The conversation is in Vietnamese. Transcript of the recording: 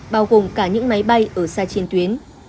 bao gồm cả những máy bay ở xa trên tuyến